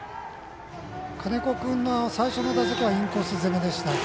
金子君の最初の打席はインコース攻めでした。